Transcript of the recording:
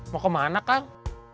mau kemana kang